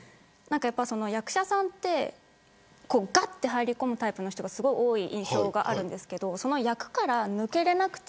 役者さんはがって入り込むタイプの人が多い印象があるんですけどその役から抜けられなくて